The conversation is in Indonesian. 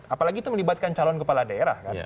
apalagi itu melibatkan calon kepala daerah kan